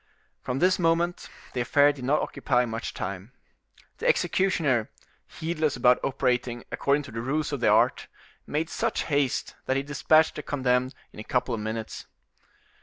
From this moment the affair did not occupy much time. The executioner, heedless about operating according to the rules of the art, made such haste that he dispatched the condemned in a couple of minutes.